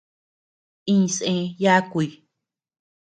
Iñsé yakuy.